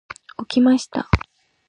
起きました。